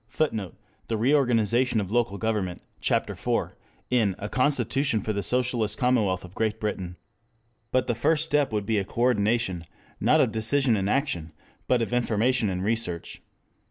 [Footnote: "The Reorganization of Local Government" (Ch. IV), in A Constitution for the Socialist Commonwealth of Great Britain.] But the first step would be a coordination, not of decision and action, but of information and research.